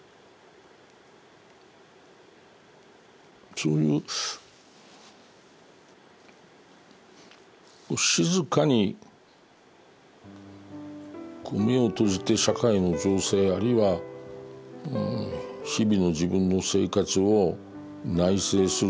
そういう静かに目を閉じて社会の情勢あるいは日々の自分の生活を内省する。